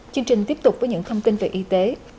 chương trình tiếp tục với những thông tin về y tế